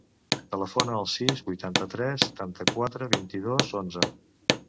Telefona al sis, vuitanta-tres, setanta-quatre, vint-i-dos, onze.